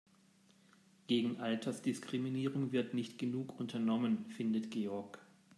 Gegen Altersdiskriminierung wird nicht genug unternommen, findet Georg.